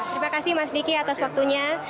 terima kasih mas diki atas waktunya